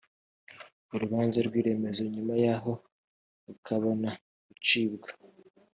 urubanza rw iremezo nyuma yaho rukabona gucibwa